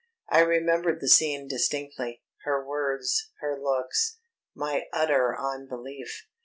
_" I remembered the scene distinctly; her words; her looks; my utter unbelief.